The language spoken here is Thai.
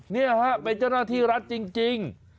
นี่ฮะเป็นเจ้าหน้าที่รัฐจริง